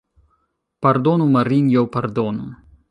Pardonu, Marinjo, pardonu!